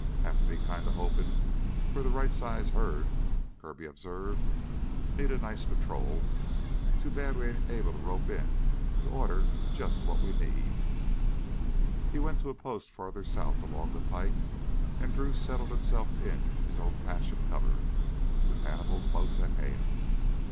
"Have to be kinda hopin' for the right sized herd," Kirby observed. "Need a nice patrol. Too bad we ain't able to rope in, to order, jus' what we need." He went to a post farther south along the pike, and Drew settled himself in his own patch of cover, with Hannibal close at hand.